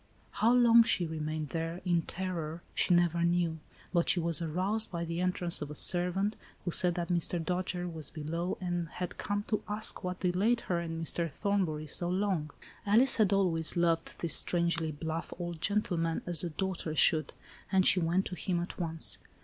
How long she remained there in terror, she never knew, but she was aroused by the entrance of a servant, who said that Mr. Dojere, was below, and had come to ask, what delayed her and Mr. Thornbury so long. Alice had always loved this strangely blflff old gentleman, as a daughter should,, and she went to him at once.